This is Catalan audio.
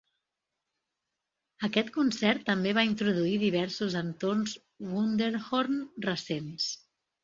Aquest concert també va introduir diversos entorns "Wunderhorn" recents.